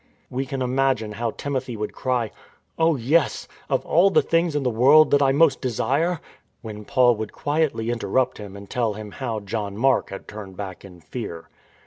We can imagine how Timothy would cry: " Oh, yes, of all the things in the world that I most desire ..." when Paul would quietly interrupt him and tell him how John Mark had turned back in fear.